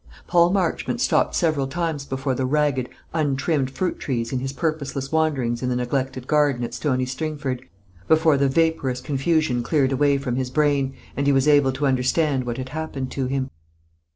Paul Marchmont stopped several times before the ragged, untrimmed fruit trees in his purposeless wanderings in the neglected garden at Stony Stringford, before the vaporous confusion cleared away from his brain, and he was able to understand what had happened to him.